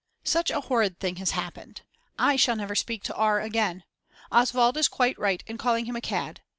Such a horrid thing has happened. I shall never speak to R. again. Oswald is quite right in calling him a cad.